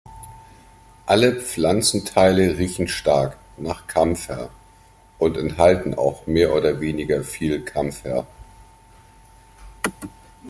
Alle Pflanzenteile riechen stark nach Campher und enthalten auch mehr oder weniger viel Campher.